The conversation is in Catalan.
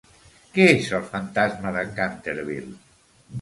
Què és El fantasma de Canterville?